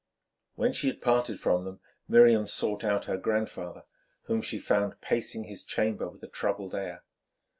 When she had parted from them, Miriam sought out her grandfather, whom she found pacing his chamber with a troubled air.